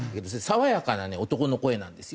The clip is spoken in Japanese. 爽やかな男の声なんですよ。